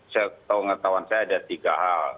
saya tahu tahuan saya ada tiga hal